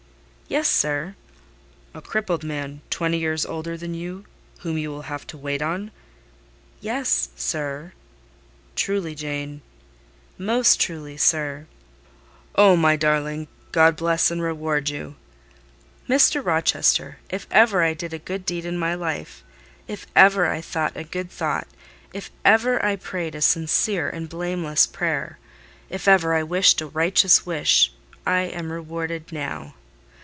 "Yes, sir." "A crippled man, twenty years older than you, whom you will have to wait on?" "Yes, sir." "Truly, Jane?" "Most truly, sir." "Oh! my darling! God bless you and reward you!" "Mr. Rochester, if ever I did a good deed in my life—if ever I thought a good thought—if ever I prayed a sincere and blameless prayer—if ever I wished a righteous wish,—I am rewarded now.